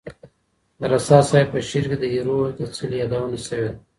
د رسا صاحب په شعر کي د ایرو د څلي یادونه سوې ده.